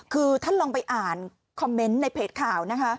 คือท่านลองไปอ่านคอมเมนต์ในเพจข่าวนะคะ